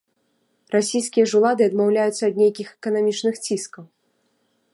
Расійскія ж улады адмаўляюцца ад нейкіх эканамічных ціскаў.